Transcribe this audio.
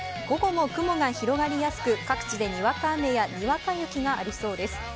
午後も雲が広がりやすく、各地でにわか雨や、にわか雪がありそうです。